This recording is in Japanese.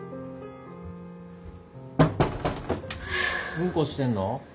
・うんこしてんの？